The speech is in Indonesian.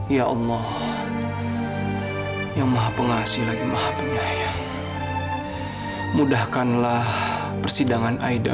tolong tunjukkan keadilanmu karena engkau yang maha tahu semuanya